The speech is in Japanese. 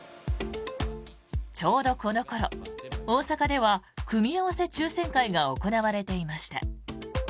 ちょうどこの頃、大阪では組み合わせ抽選会が行われていました。